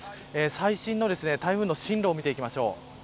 最新の台風の進路を見ていきましょう。